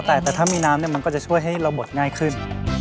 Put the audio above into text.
แต่ถ้ามีน้ำมันก็จะช่วยให้เราบดง่ายขึ้น